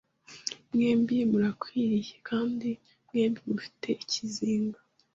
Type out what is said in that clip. Mwembi murakwiriye, kandi mwembi mufite ikizinga: